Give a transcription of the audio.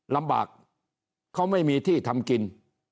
ลำบากเขาไม่มีที่ทำกิน